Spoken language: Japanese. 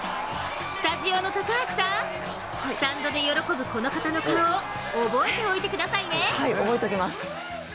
スタジオの高橋さんスタンドで喜ぶこの方の顔を覚えておいてくださいね！